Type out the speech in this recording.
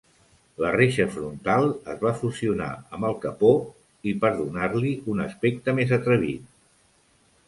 La reixa frontal es va fusionar amb el capó i per donar-li un aspecte més atrevit.